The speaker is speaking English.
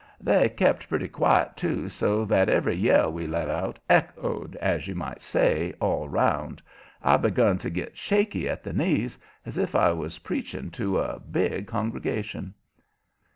They kept pretty quiet, too, so that every yell we let out echoed, as you might say, all 'round. I begun to git shaky at the knees, as if I was preaching to a big congregation.